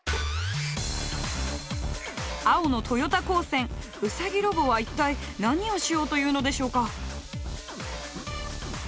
青の豊田高専ウサギロボは一体何をしようというのでしょうか？